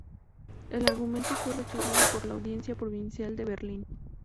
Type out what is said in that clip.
El argumento fue rechazado por la audiencia provincial de Berlín.